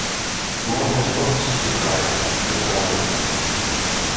‘Among his books!’ she cried, confounded.